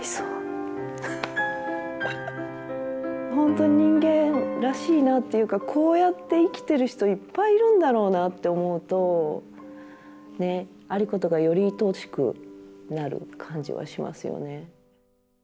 本当人間らしいなっていうかこうやって生きてる人いっぱいいるんだろうなって思うとねっ有功がよりいとおしくなる感じはしますよね。